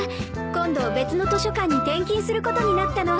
今度別の図書館に転勤することになったの。